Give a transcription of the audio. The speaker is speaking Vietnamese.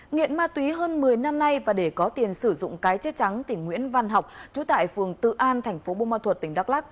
nghiện ma túy hơn một mươi năm nay và để có tiền sử dụng cái chết trắng thì nguyễn văn học trú tại phường tự an thành phố bô ma thuật tỉnh đắk lắc